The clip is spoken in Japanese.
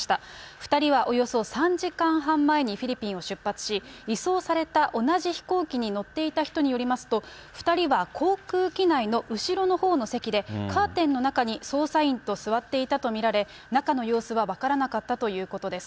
２人はおよそ３時間半前にフィリピンを出発し、移送された同じ飛行機に乗っていた人によりますと、２人は航空機内の後ろのほうの席で、カーテンの中に、捜査員と座っていたと見られ、中の様子は分からなかったということです。